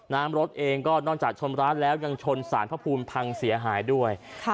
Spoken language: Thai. น้ำรถเองก็นอกจากชนร้านแล้วยังชนสารพระภูมิพังเสียหายด้วย